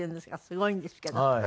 すごいんですけど。